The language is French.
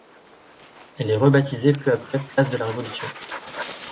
Elle est rebaptisée peu après place de la Révolution.